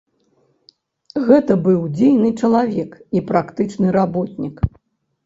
Гэта быў дзейны чалавек і практычны работнік.